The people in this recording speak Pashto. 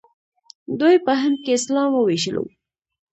دوی په هند کې اسلام وويشلو.